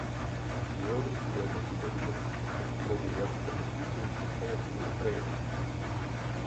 Běloruský jazyk tvoří jakýsi přechod mezi jazykem ruským a jazykem ukrajinským.